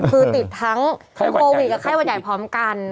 คือติดทั้งโควิดกับไข้หวัดใหญ่พร้อมกัน